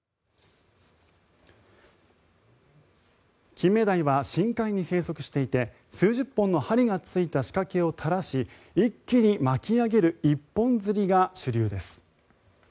キンメダイは深海に生息していて数十本の針がついた仕掛けを垂らし一気に巻き上げる一本釣りが主流です。